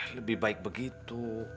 lebih baik begitu